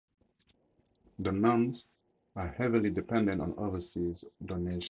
The nuns are heavily dependent on overseas donations.